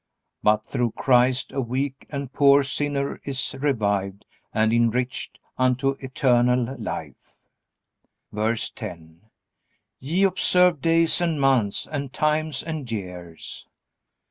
But through Christ a weak and poor sinner is revived and enriched unto eternal life. VERSE 10. Ye observe days, and months, and times, and years.